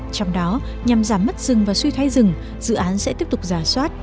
trong đó nhằm giảm mất rừng và suy thoái rừng dự án sẽ tiếp tục giả soát